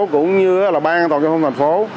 cũng như là ban an toàn giao thông thành phố